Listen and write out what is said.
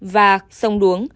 và sông đuống